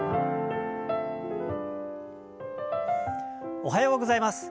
おはようございます。